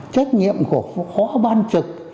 trách nhiệm của hóa ban trực